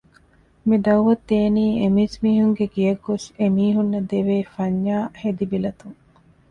މި ދަޢުވަތު ދޭނީ އެ މީސްމީހުންގެ ގެޔަށް ގޮސް އެ މީހުންނަށް ދެވޭ ފަންޏާއި ހެދިބިލަތުން